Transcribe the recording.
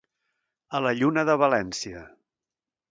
A la lluna de València.